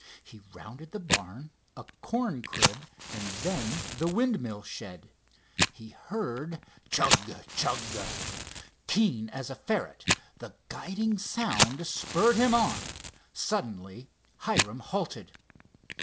He rounded the barn, a corn crib and then the windmill shed. He heard: "Chug—chug!" Keen as a ferret, the guiding sound spurred him on. Suddenly Hiram halted.